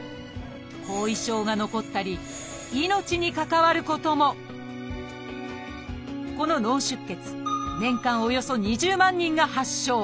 後遺症が残ったり命に関わることもこの脳出血年間およそ２０万人が発症。